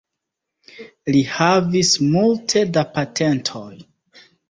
Li havis multe da patentoj.